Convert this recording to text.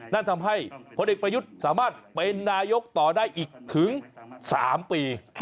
นั่นทำให้พลเอกประยุทธ์สามารถเป็นนายกต่อได้อีกถึง๓ปี